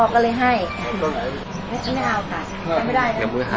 ซื้อต่ำจ่อย